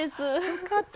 よかった。